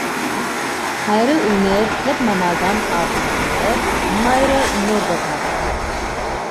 Հայրը ուներ գերմանական արմատներ, մայրը՝ նորվեգական։